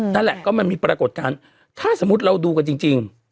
นั่นแหละก็มันมีปรากฏการณ์ถ้าสมมุติเราดูกันจริง